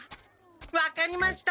分かりました。